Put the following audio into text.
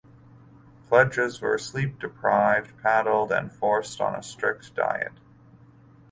Pledges were sleep deprived, paddled, and forced on a strict diet.